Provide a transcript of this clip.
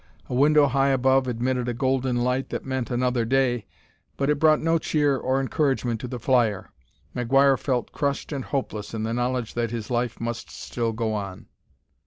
A window high above admitted a golden light that meant another day, but it brought no cheer or encouragement to the flyer. McGuire felt crushed and hopeless in the knowledge that his life must still go on.